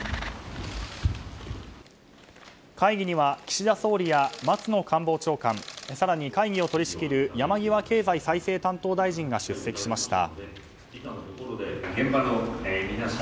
会議には岸田総理や松野官房長官更に会議を取り仕切る山際経済再生担当大臣が出席しました。